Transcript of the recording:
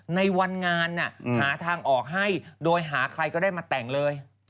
ในวันงานหาทางออกให้โดยหาใครก็ได้มาแต่งเลย